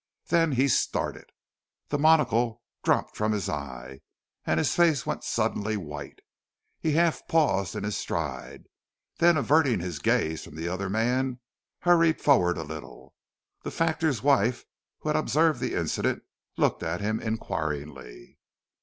Then he started. The monocle dropped from his eye, and his face went suddenly white. He half paused in his stride, then averting his gaze from the other man hurried forward a little. The factor's wife, who had observed the incident, looked at him inquiringly.